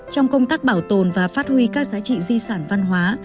trong công tác bảo tồn và phát huy các giá trị di sản văn hóa